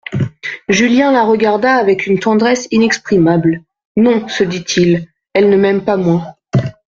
Julien la regarda avec une tendresse inexprimable : Non, se dit-il, elle ne m'aime pas moins.